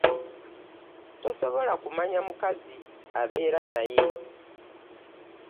Tosobola kumanya mukazi abeera naye.